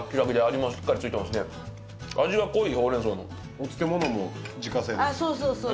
お漬物も自家製ですね。